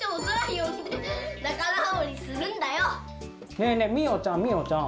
ねえねえみよちゃんみよちゃん。